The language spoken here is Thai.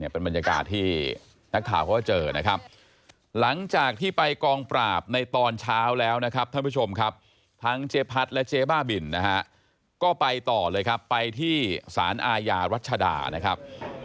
เป็นบรรยากาศที่นักข่าวเขาก็เจอนะครับหลังจากที่ไปกองปราบในตอนเช้าแล้วนะครับท่านผู้ชมครับทั้งเจ๊พัดและเจ๊บ้าบินนะฮะก็ไปต่อเลยครับไปที่สารอาญารัชดานะครับ